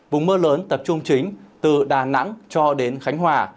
vùng mưa lớn tập trung chính từ đà nẵng cho đến khánh hòa